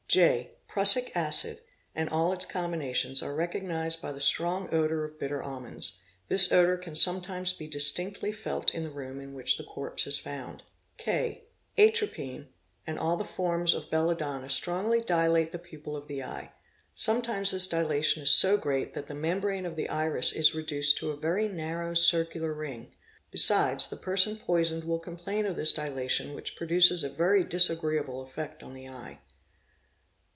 (j) Prussic acid and all its combinations are recognised by th strong odour of bitter almonds; this odour can sometimes be distinctly felt in the room in which the corpse is found. (k) Atropine and all the forms of belladonna strongly dilate th pupil of the eye; sometimes this dilation is so great that the membr of the iris is reduced to a very narrow circular ring; besides, the perso poisoned will complain of this dilation which produces a very disagreeabl effect on the eye.